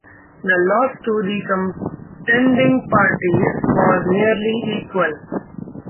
The loss to the contending parties was nearly equal.